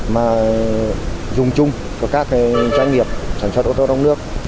mà dùng chung của các doanh nghiệp sản xuất ô tô đông nước